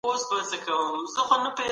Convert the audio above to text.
شتمن باید د مسکینانو پوښتنه وکړي.